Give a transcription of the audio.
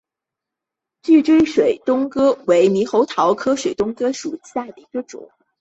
聚锥水东哥为猕猴桃科水东哥属下的一个种。